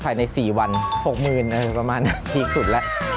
ภายใน๔วัน๖๐๐๐๐บาทประมาณนั้นที่สุดละ